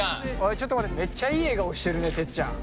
ちょっと待ってめっちゃいい笑顔してるねてっちゃん。